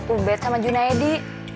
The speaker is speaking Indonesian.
ubed sama junaedi